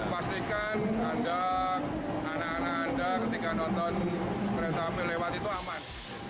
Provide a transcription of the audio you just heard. pastikan anda anak anak anda ketika nonton kereta api lewat itu aman